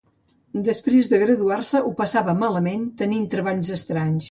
Després de graduar-se, ho va passar malament tenint treballs estranys.